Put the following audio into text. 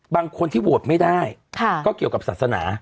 บางคนที่โหวตไม่ได้ก็เกี่ยวกับศาสนา